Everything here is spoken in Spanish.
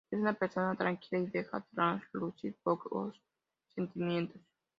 Es una persona tranquila y deja traslucir pocos sentimientos.